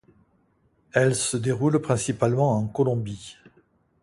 Elle se déroule principalement en Colombie.